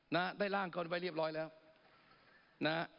นะฮะได้ร่างเขาไว้เรียบร้อยแล้วนะฮะ